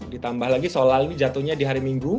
ditambah lagi sholal ini jatuhnya di hari minggu